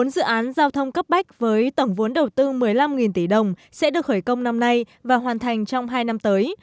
bốn dự án giao thông cấp bách với tổng vốn đầu tư một mươi năm tỷ đồng sẽ được khởi công năm nay và hoàn thành trong hai năm tới